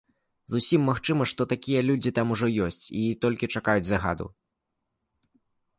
Зусім магчыма, што такія людзі там ужо ёсць і толькі чакаюць загаду.